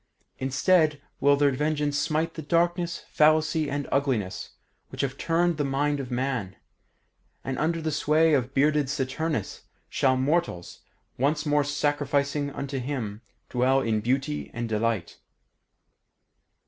Instead will their vengeance smite the darkness, fallacy and ugliness which have turned the mind of man; and under the sway of bearded Saturnus shall mortals, once more sacrificing unto him, dwell in beauty and delight.